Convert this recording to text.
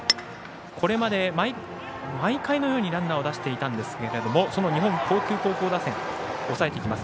これまで毎回のようにランナーを出していたんですけども日本航空高校打線抑えてきます。